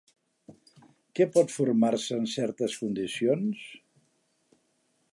Què pot formar-se en certes condicions?